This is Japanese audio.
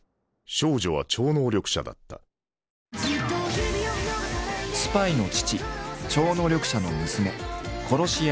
少女は超能力者だったスパイの父超能力者の娘殺し屋の母。